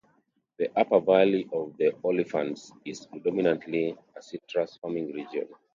The upper valley of the Olifants is predominantly a citrus-farming region.